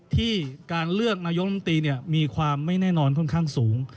ที่การเลือกนายกรรมตรีมีความไม่แน่นอนค่อนข้างสูง